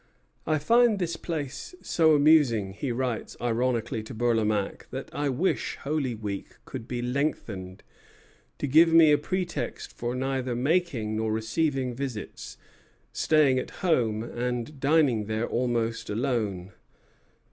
"I find this place so amusing," he writes ironically to Bourlamaque, "that I wish Holy Week could be lengthened, to give me a pretext for neither making nor receiving visits, staying at home, and dining there almost alone.